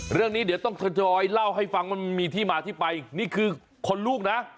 เรื่องนี้เดี๋ยวต้องทยอยเล่าให้ฟังมันมีที่มาที่ไปนี่คือคนลูกนะ